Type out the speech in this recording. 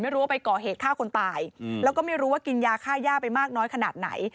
ไม่รู้ว่าไปก่อเหตุฆ่าคนตายแล้วก็ไม่รู้ว่ากินยาฆ่าย่าไปมากน้อยขนาดไหน